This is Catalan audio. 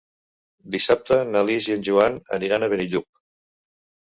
Dissabte na Lis i en Joan aniran a Benillup.